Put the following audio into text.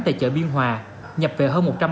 tại chợ biên hòa nhập về hơn